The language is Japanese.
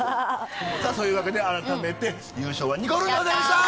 そういうわけで改めて優勝はにこるんでございました。